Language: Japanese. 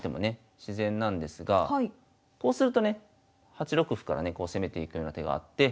自然なんですがこうするとね８六歩からねこう攻めていくような手があって。